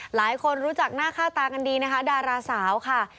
หลายคนรู้จักหน้าค่าตากันดีนะคะดาราสาวค่ะ